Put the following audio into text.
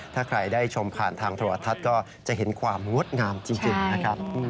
ถ้าใครได้ชมผ่านทางโทรทัศน์ก็จะเห็นความงดงามจริงนะครับ